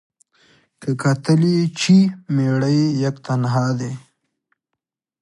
که کتل یې چي مېړه یې یک تنها دی